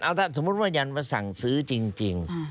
ถ้าสมมุติว่ายันมาสั่งซื้อจริง